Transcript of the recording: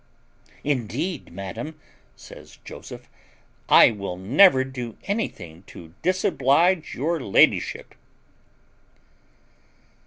"Indeed, madam," says Joseph, "I will never do anything to disoblige your ladyship."